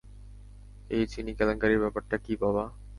এই চিনি কেলেংকারির ব্যাপারটা কী বাবা?